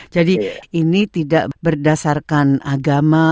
jadi ini tidak berdasarkan agama